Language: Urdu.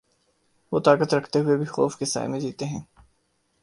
وہ طاقت رکھتے ہوئے بھی خوف کے سائے میں جیتے ہیں۔